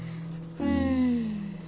うん。